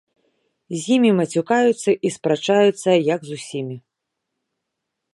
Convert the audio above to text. З імі мацюкаюцца і спрачаюцца, як з усімі.